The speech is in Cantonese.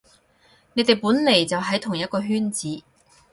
你哋本來就喺同一個圈子